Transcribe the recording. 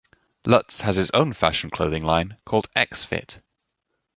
Lutz has his own fashion clothing line called X Fit.